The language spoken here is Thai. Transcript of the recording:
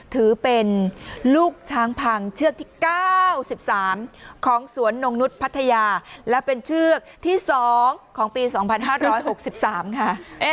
ถือเป็นลูกช้างพังเชือกที่๙๓ของสวนนงนุษย์พัทยาและเป็นเชือกที่๒ของปี๒๕๖๓ค่ะ